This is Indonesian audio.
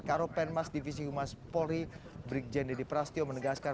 karopenmas divisi humas polri brigjen didi prastyo menegaskan